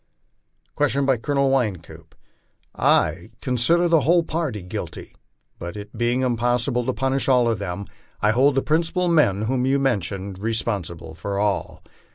Question by Colonel Wynkoop :" I consider the whole party guilty ; but it being impossible to punish all of them, I hold the principal men, whom you mentioned, responsible for all.